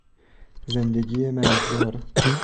زندگی مرگبار